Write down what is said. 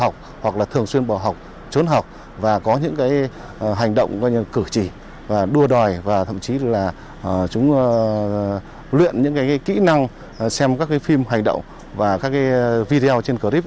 chúng luyện những kỹ năng xem các phim hành động và các video trên clip